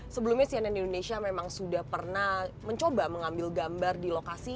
sebelumnya cnn indonesia memang sudah pernah mencoba mengambil gambar di lokasi